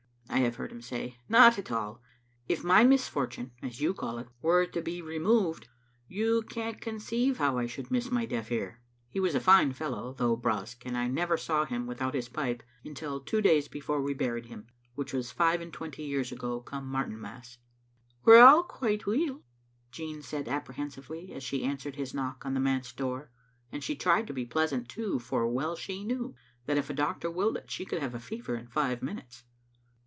I have heard him say. " Not at all. If my misfortune, as you call it, were to be removed, you can't conceive how I should miss my deaf ear." He was a fine fellow, though brusque, and I never saw him without his pipe until two days before we buried him, which was five and twenty years ago come Martinmas. "We're all quite weel," Jean said apprehensively as she answered his knock on the manse door, and she tried to be pleasant, too, for well she knew that, if a doctor willed it, she could have fever in five minutes.